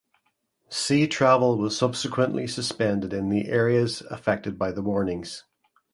Sea travel was subsequently suspended in the areas affected by the warnings.